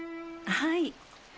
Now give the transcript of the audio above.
はい。